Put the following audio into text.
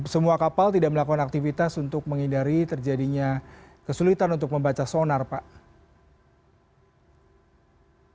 semua kapal tidak melakukan aktivitas untuk menghindari terjadinya kesulitan untuk membaca sonar pak